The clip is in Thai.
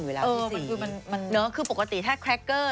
อยู่แล้วคือปกติถ้าแพร็กเกอร์